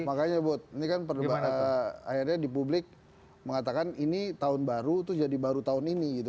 makanya bud ini kan akhirnya di publik mengatakan ini tahun baru itu jadi baru tahun ini gitu